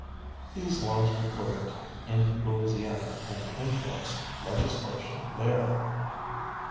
These laws were quoted in Louisiana and influenced legislation there.